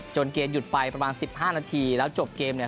จนเกณฑ์หยุดไปประมาณสิบห้านาทีแล้วจบเกมเนี่ย